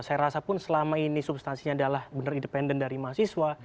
saya rasa pun selama ini substansinya adalah benar independen dari mahasiswa